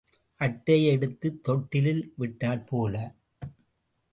அட்டையை எடுத்துத் தொட்டிலில் விட்டாற்போல.